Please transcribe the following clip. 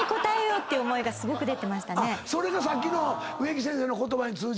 それがさっきの植木先生の言葉に通じるんだ。